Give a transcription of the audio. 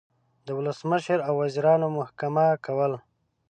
د ولسمشر او وزیرانو محکمه کول